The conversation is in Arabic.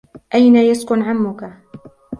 أين يسكن عمك؟